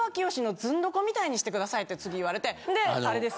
みたいにしてくださいって次言われてあれです。